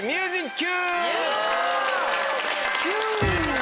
Ｑ！